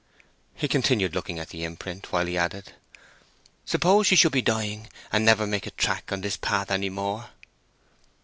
He continued looking at the imprint, while he added, "Suppose she should be dying, and never make a track on this path any more?"